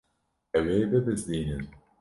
Ew ê bibizdînin.